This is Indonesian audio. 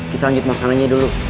kita lanjut makanannya dulu